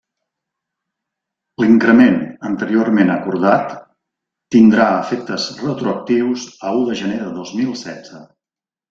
L'increment anteriorment acordat tindrà efectes retroactius a u de gener de dos mil setze.